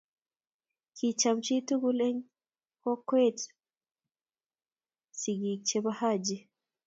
Kiicham chhi tugul eng kokweemkobochi sikiik che bo Haji